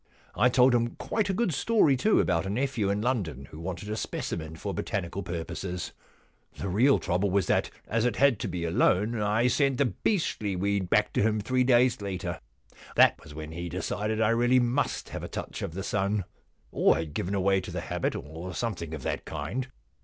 I told him quite a good story, too, about a nephew in London who wanted a specimen for botanical purposes. The real trouble was that, as it had to be a loan, I sent the beastly weed back to him three days later. That was when he decided I really must have had a touch of the sun, or had given way to the habit, or something of that kind.